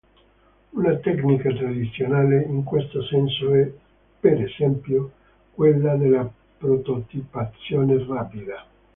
Una tecnica tradizionale in questo senso è, per esempio, quella della prototipazione rapida.